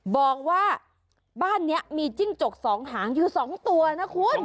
บอกว่าบ้านนี้มีจิ้งจกสองหางอยู่๒ตัวนะคุณ